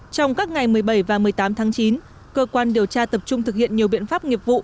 trong các ngày một mươi bảy và một mươi tám tháng chín cơ quan điều tra tập trung thực hiện nhiều biện pháp nghiệp vụ